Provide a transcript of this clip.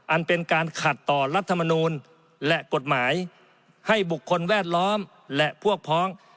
อันเป็นการขัดต่อรัฐมนูลและกฎหมายให้บุคคลแวดล้อมและพวกพ้อง